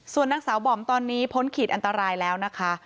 ส่วนนางสาวบอมตอนนี้พ้นขีดอันตรายแล้วนะคะ